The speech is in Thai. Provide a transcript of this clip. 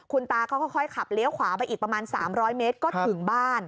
คุณตาก็ค่อยขับเลี้ยวขวาไปอีกประมาณ๓๐๐เมตรก็ถึงบ้าน